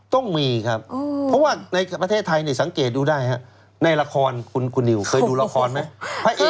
ต้องมีครับเพราะว่าในประเทศไทยสังเกตดูได้ฮะในละครคุณนิวเคยดูละครไหม